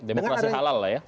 demokrasi halal lah ya